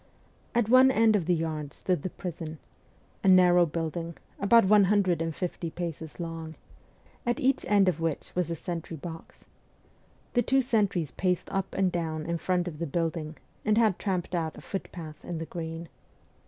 At one end of the yard stood the prison a narrow building, about one hundred and fifty paces long at each end of which was a sentry box. The two sentries paced up and down in front of the building, and had tramped out a footpath in the green.